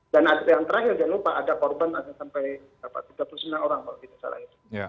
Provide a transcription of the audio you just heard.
ada yang terakhir jangan lupa ada korban ada sampai tiga puluh sembilan orang kalau tidak salah itu